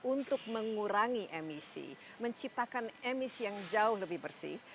untuk mengurangi emisi menciptakan emisi yang jauh lebih bersih